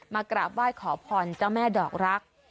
กราบไหว้ขอพรเจ้าแม่ดอกรัก